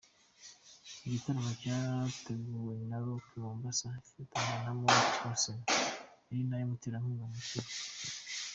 Igitaramo cyateguwe na Rocks Mombasa ifatanyije na Moet Hennessy ari nayo muterankunga mukuru.